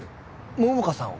桃花さんを？